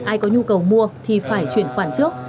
ai có nhu cầu mua thì phải chuyển khoản trước